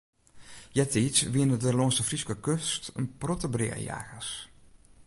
Eartiids wienen der lâns de Fryske kust in protte breajagers.